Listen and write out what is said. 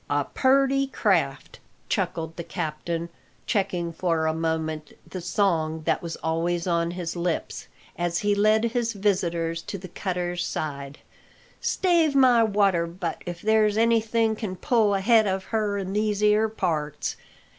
"A purty craft!" chuckled the captain, checking for a moment the song that was always on his lips, as he led his visitors to the cutters side; "stave my water butt if there's anything can pull ahead of her in these 'ere parts.